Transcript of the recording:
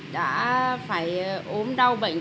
đã phải ốm đau bệnh